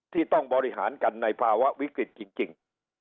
ที่ต้องบริหารกันในภาวะวิกฤตจริง